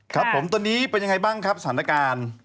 ครับผมตอนนี้เป็นยังไงบ้างครับสถานการณ์